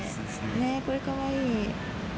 これ、かわいい。